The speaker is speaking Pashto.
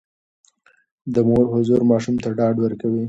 د مور حضور ماشوم ته ډاډ ورکوي.